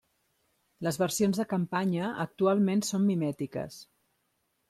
Les versions de campanya actualment són mimètiques.